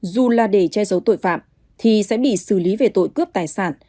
dù là để che giấu tội phạm thì sẽ bị xử lý về tội cướp tài sản